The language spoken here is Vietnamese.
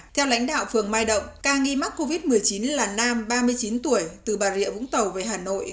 theo lãnh đạo phường mai động ca nghi mắc covid một mươi chín là nam ba mươi chín tuổi từ bà rịa vũng tàu về hà nội